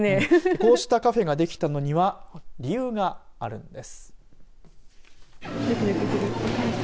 こうしたカフェができたのには理由があるんです。